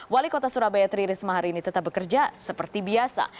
wali kota surabaya tri risma hari ini tetap bekerja seperti biasa